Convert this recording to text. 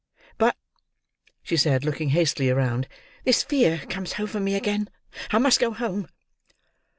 But," she said, looking hastily round, "this fear comes over me again. I must go home."